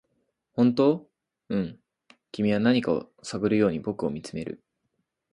「本当？」「うん」君は何かを探るように僕を見つめる